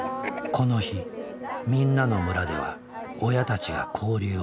この日「みんなのむら」では親たちが交流をしていた。